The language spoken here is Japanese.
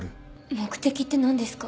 目的ってなんですか？